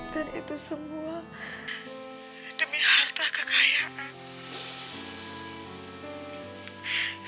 dan itu semua demi halta kekayaan